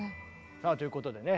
さあということでね